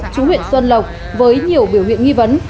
chú huyện xuân lộc với nhiều biểu hiện nghi vấn